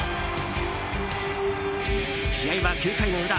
試合は９回の裏